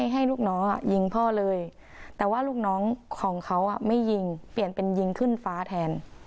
ให้ลูกน้องยิงพ่อเลยแต่ว่าลูกน้องของเขาไม่ยิงเปลี่ยนเป็นยิงขึ้นฟ้าแทน